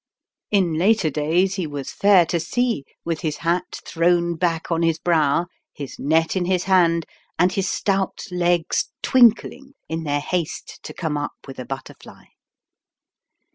In later days he was fair to see with his hat thrown back on his brow, his net in his hand: and his stout legs twinkling in their haste to come up with a butterfly.